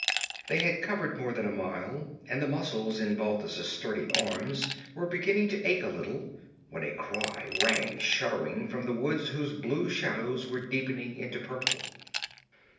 They had covered more than a mile, and the muscles in Balthus' sturdy arms were beginning to ache a little, when a cry rang shuddering from the woods whose blue shadows were deepening into purple.